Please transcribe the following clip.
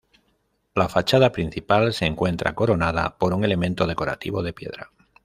La fachada principal se encuentra coronada por un elemento decorativo de piedra.